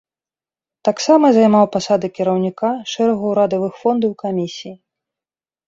Таксама займаў пасады кіраўніка шэрагу ўрадавых фондаў і камісій.